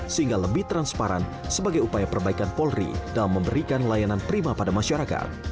sehingga lebih transparan sebagai upaya perbaikan polri dalam memberikan layanan prima pada masyarakat